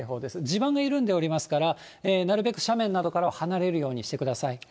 地盤も緩んでいますから、なるべく斜面から離れるようにしてください。